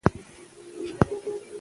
موږ د خپل کلتور ساتنه په هر حال کې کوو.